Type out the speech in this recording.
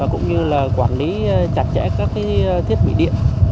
cũng như là quản lý chặt chẽ các thiết bị điện